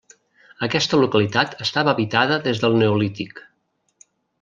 Aquesta localitat estava habitada des del Neolític.